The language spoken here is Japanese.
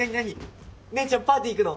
姉ちゃんパーティー行くの？